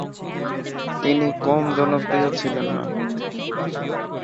তিনি কম জনপ্রিয় ছিলেন না।